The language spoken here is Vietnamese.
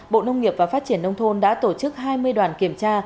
bộ nông nghiệp và phát triển nông thôn đã tổ chức hai mươi đoàn kiểm tra